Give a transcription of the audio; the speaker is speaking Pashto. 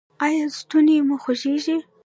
ایا ستونی مو خوږیږي؟